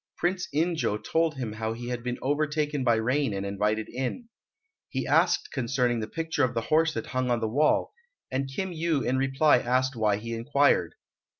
Prince In jo told him how he had been overtaken by rain and invited in. He asked concerning the picture of the horse that hung on the wall, and Kim Yu in reply asked why he inquired.